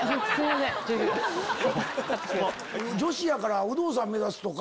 女子やから有働さん目指すとか。